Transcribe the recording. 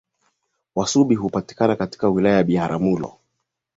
Wasubi hupatikana katika wilaya ya Biharamulo